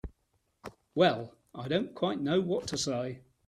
Well—I don't quite know what to say.